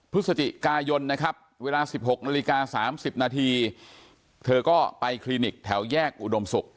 พฤศจิกายนนะครับเวลา๑๖นาฬิกา๓๐นาทีเธอก็ไปคลินิกแถวแยกอุดมศุกร์